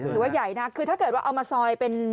ถือว่าใหญ่นะคือถ้าเกิดว่าเอามาซอยเป็น